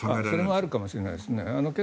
それもあるかもしれないですね。